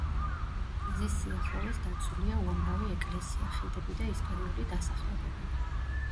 გზის სიახლოვეს დაცულია უამრავი ეკლესია, ხიდები და ისტორიული დასახლებები.